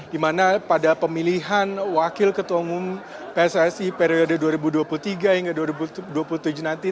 di mana pada pemilihan wakil ketua umum pssi periode dua ribu dua puluh tiga hingga dua ribu dua puluh tujuh nanti